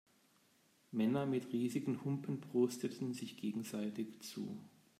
Männer mit riesigen Humpen prosteten sich gegenseitig zu.